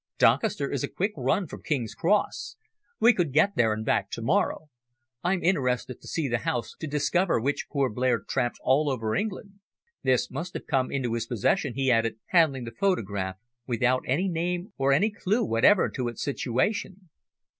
"Doncaster is a quick run from King's Cross. We could get there and back to morrow. I'm interested to see the house to discover which poor Blair tramped all over England. This must have come into his possession," he added, handling the photograph, "without any name or any clue whatever to its situation."